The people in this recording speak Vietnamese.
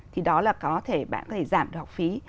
thì đó là có thể bạn có thể giảm được học phí